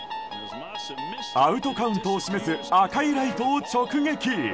アウトカウントを示す赤いライトを直撃。